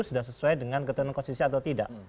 sudah sesuai dengan ketentuan konstitusi atau tidak